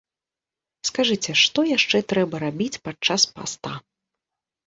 Скажыце, што яшчэ трэба рабіць падчас паста?